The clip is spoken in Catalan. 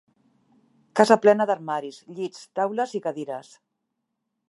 Casa plena d'armaris, llits, taules i cadires.